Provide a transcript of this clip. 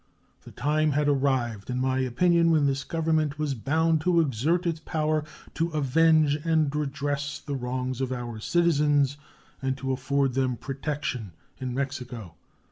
The time had arrived, in my opinion, when this Government was bound to exert its power to avenge and redress the wrongs of our citizens and to afford them protection in Mexico.